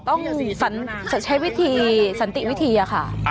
ต้องใช้วิธีสันติวิธีค่ะ